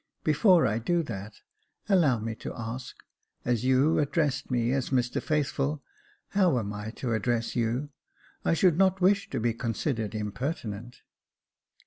" Before I do that, allow me to ask, as you address me as Mr Faithful, how am I to address you ? I should not wish to be considered impertinent."